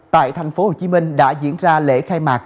tại tp hcm đã diễn ra lễ khai mạc